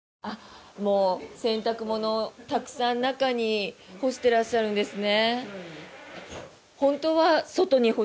洗濯物をたくさん中に干してらっしゃるんですね。